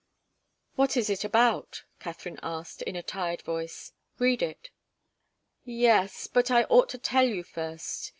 "What is it about?" Katharine asked, in a tired voice. "Read it." "Yes but I ought to tell you first.